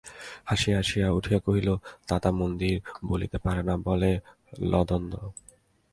হাসি হাসিয়া উঠিয়া কহিল, তাতা মন্দির বলিতে পারে না, বলে লদন্দ।